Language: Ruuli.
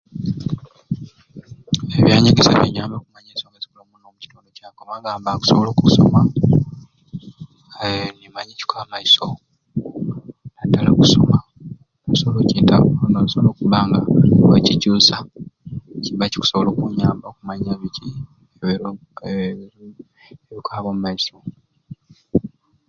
Ebyanyegesya binyambire okumanya ensonga eziri omukitundu kyange kubanga nabba nkusobola okusoma eeeih nimanya ekikwaba omumaiso nadala okusoma noso nosobola okukyeeta nosobola okumanya eeh nosobola okubba nga okucikyusa kibba kikusobola okunyamba okumanya biki eeeh bikwaba omumaiso.